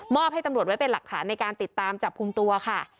ให้ตำรวจไว้เป็นหลักฐานในการติดตามจับกลุ่มตัวค่ะ